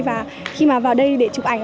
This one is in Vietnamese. và khi mà vào đây để chụp ảnh